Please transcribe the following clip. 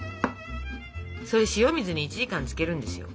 それ塩水に１時間つけるんですよ。